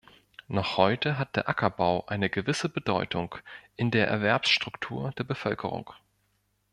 Noch heute hat der Ackerbau eine gewisse Bedeutung in der Erwerbsstruktur der Bevölkerung.